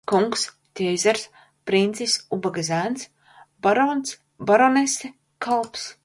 Kungs, ķeizars, princis, ubaga zēns, barons, baronese, kalps.